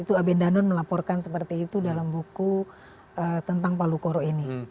itu abe danun melaporkan seperti itu dalam buku tentang palu koro ini